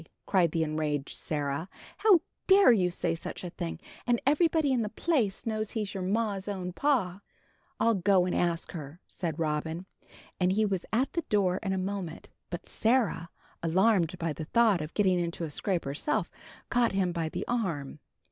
cried the enraged Sarah; "how dare you say such a thing, and everybody in the place knows he's your ma's own pa." "I'll go and ask her," said Robin, and he was at the door in a moment; but Sarah, alarmed by the thought of getting into a scrape herself, caught him by the arm.